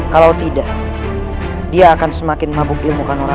kalau tidak dia akan semakin mabuk ilmu kanoraga